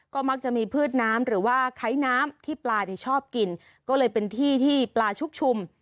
ก็มักจะมีพืชน้ำหรือว่าไคร้น้ำที่ปลานี่ชอบกินก็เลยเป็นที่ที่ปลาชุกชุม